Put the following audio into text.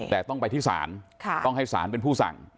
แต่ต้องไปที่ศาลต้องให้ศาลเป็นผู้สั่ง